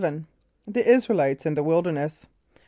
The Israelites in the Wilderness.